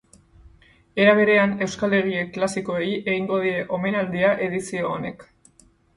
Era berean, euskal egile klasikoei egingo die omenaldia edizio honek.